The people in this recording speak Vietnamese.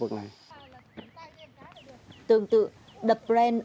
tương tự đập bren